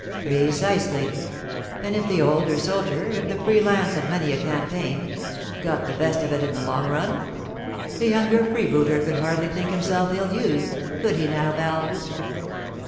"Precisely; and if the older soldier, if the free lance of many a campaign, got the best of it in the long run, the younger freebooter could hardly think himself ill used could he now, Val?"